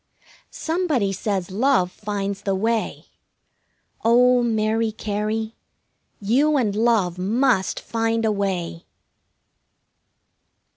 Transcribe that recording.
Somebody says love finds the way. Oh, Mary Cary, you and Love must find a way!